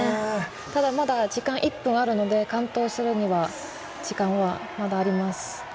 ただ、まだ時間１分あるので完登するには時間はまだあります。